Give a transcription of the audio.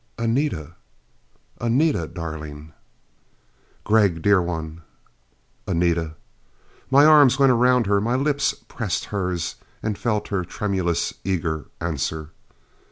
"Anita! Anita darling " "Gregg, dear one!" "Anita!" My arms went around her, my lips pressed hers, and felt her tremulous eager answer.